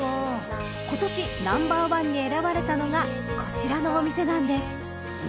［ことしナンバーワンに選ばれたのがこちらのお店なんです］